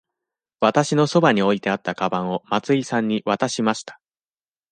わたしのそばに置いてあったかばんを松井さんに渡しました。